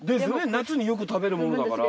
夏によく食べるものだから。